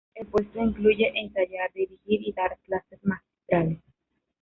El puesto incluye ensayar, dirigir y dar clases magistrales.